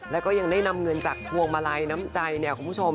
แล้วก็ยังได้นำเงินจากพวงมาลัยน้ำใจเนี่ยคุณผู้ชม